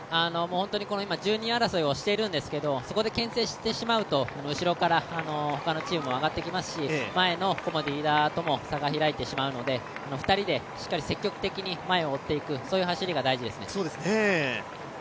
今１２位争いをしているんですけれども、そこでけん制してしまうと後ろからほかのチームも上がってきますし前のコモディイイダとも差が開いてしまうので２人でしっかり積極的に前を追っていく走りが大事ですね。